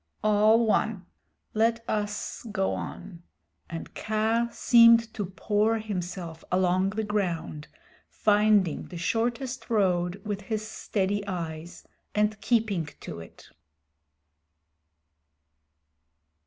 "All one. Let us go on," and Kaa seemed to pour himself along the ground, finding the shortest road with his steady eyes, and keeping to it.